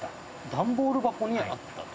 段ボール箱にあったと。